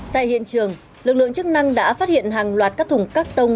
tại hiện trường lực lượng chức năng đã phát hiện hàng loạt các thùng cắt tông